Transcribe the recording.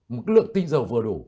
một lượng tinh dầu vừa đủ